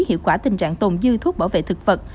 hiệu quả tình trạng tồn dư thuốc bảo vệ thực vật